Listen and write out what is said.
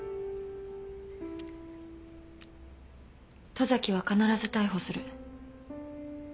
十崎は必ず逮捕する。